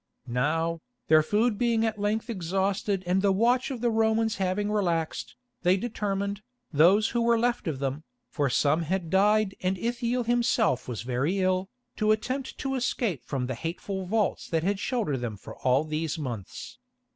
Now, their food being at length exhausted and the watch of the Romans having relaxed, they determined, those who were left of them, for some had died and Ithiel himself was very ill, to attempt to escape from the hateful vaults that had sheltered them for all these months.